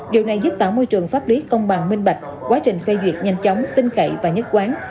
điều này giúp tạo môi trường pháp lý công bằng minh bạch quá trình phê duyệt nhanh chóng tin cậy và nhất quán